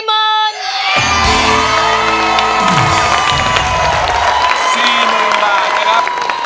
๔๐๐๐๐บาทครับ